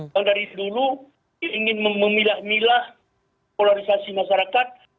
yang dari dulu ingin memilah milah polarisasi masyarakat